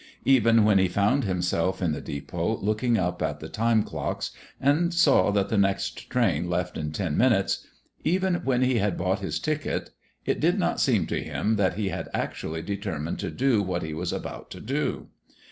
Even when he found himself in the depot looking up at the time clocks, and saw that the next train left in ten minutes even when he had bought his ticket, it did not seem to him that he had actually determined to do what he was about to do.